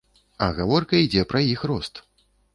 А гаворка ідзе пра іх рост!